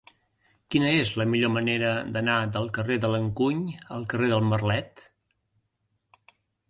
Quina és la millor manera d'anar del carrer de l'Encuny al carrer de Marlet?